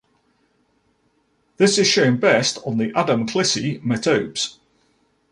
This is shown best on the Adamklissi metopes.